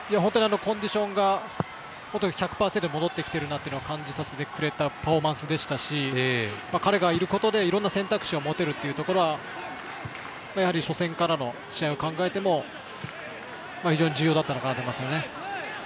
コンディションが１００％戻ってきてるなと感じさせてくれるパフォーマンスでしたし彼がいることでいろんな選択肢を持てるということはやはり、初戦からの試合考えても非常に重要だったなと思いますね。